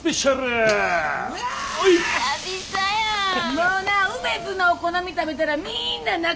もうなうめづのお好み食べたらみんな仲良うなる。